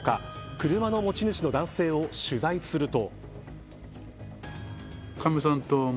車の持ち主の男性を取材すると。